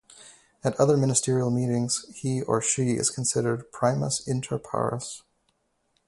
At other ministerial meetings, he or she is considered "primus inter pares".